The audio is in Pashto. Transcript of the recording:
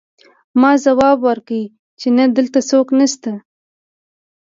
ما ځواب ورکړ چې نه دلته څوک نشته